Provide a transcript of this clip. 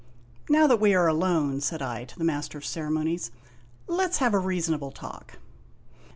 " Now that we are alone," said I to the Master of Ceremonies, " let 's have a reasonable talk."